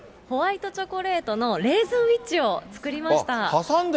ホワイトチョコレートのレーズンウイッチを作りました。